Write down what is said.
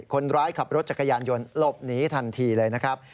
คนร้ายขับรถจักรยานยนต์หลบหนีทันทีเลยนะครับ